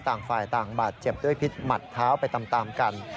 ต่างฝ่ายต่างบาดเจ็บด้วยพิษหมัดเท้าไปตามกัน